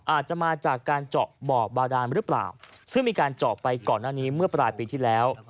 อาจจะมาจากการเจาะบ่อบาดานหรือเปล่าซึ่งมีการเจาะไปก่อนหน้านี้เมื่อปลายปีที่แล้ว